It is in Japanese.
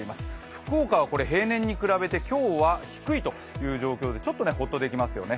福岡は平年に比べて今日は低いという状況でちょっとほっとできますよね。